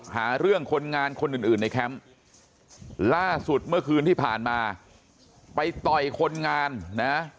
หาเรื่องคนงานคนอื่นในแคมป์ล่าสุดเมื่อคืนที่ผ่านมาไปต่อยคนงานนะ